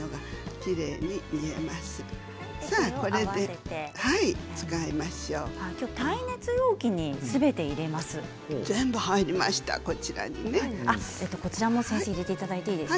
きょうは耐熱容器にすべて入れます。